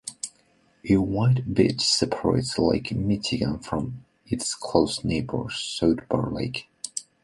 A wide beach separates Lake Michigan from its close neighbor, South Bar Lake.